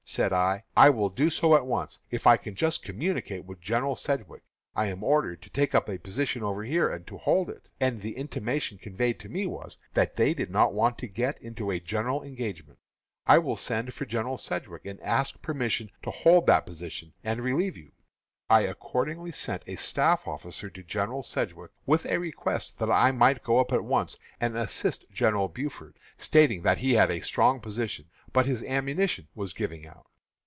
Said I, 'I will do so at once, if I can just communicate with General Sedgwick; I am ordered to take up a position over here, and hold it, and the intimation conveyed to me was, that they did not want to get into a general engagement; I will send for General Sedgwick, and ask permission to hold that position, and relieve you.' I accordingly sent a staff officer to General Sedgwick with a request that I might go up at once and assist General Buford, stating that he had a strong position, but his ammunition was giving out.